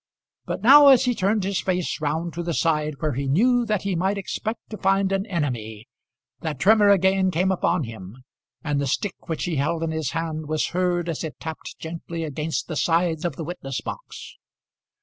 But now as he turned his face round to the side where he knew that he might expect to find an enemy, that tremor again came upon him, and the stick which he held in his hand was heard as it tapped gently against the side of the witness box.